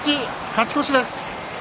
勝ち越しです。